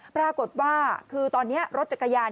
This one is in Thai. ปรากฏว่าคือตอนนี้รถจักรยาน